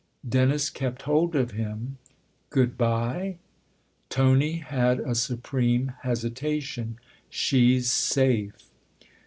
Dennis kept hold of him. " Good bye ?" Tony had a supreme hesitation, " She's safe."